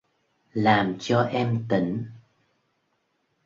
Làm cho em tỉnh